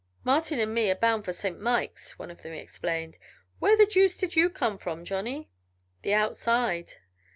"Martin and me are bound for Saint Mikes," one of them explained. "Where the deuce did you come from, Johnny?" "The 'outside.'